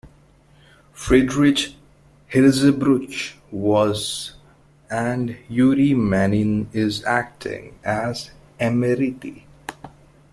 Friedrich Hirzebruch was, and Yuri Manin is, acting as emeriti.